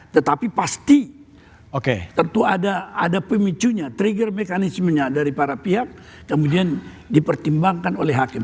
tetapi pasti tentu ada pemicunya trigger mekanismenya dari para pihak kemudian dipertimbangkan oleh hakim